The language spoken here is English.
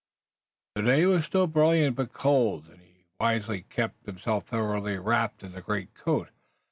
The day was still brilliant but cold and he wisely kept himself thoroughly wrapped in the greatcoat.